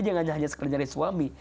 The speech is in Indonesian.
jangan hanya sekedar nyari suami